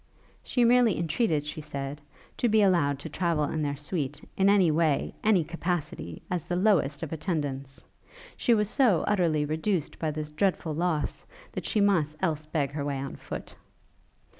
She merely entreated, she said, to be allowed to travel in their suite, in any way, any capacity, as the lowest of attendants. She was so utterly reduced by this dreadful loss, that she must else beg her way on foot.